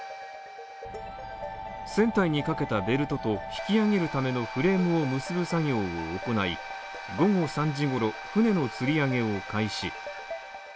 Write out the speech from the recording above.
船体にかけたベルトと引き揚げるためのフレームを結ぶ作業を行い、午後３時ごろ、船の吊り上げを開始。